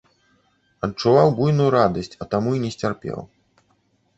Адчуваў буйную радасць, а таму і не сцярпеў.